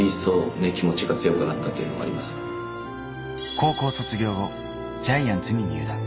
高校卒業後、ジャイアンツに入団。